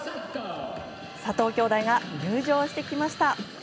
佐藤姉弟が入場してきました。